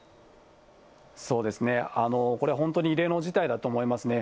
そうですね、これは本当に異例の事態だと思いますね。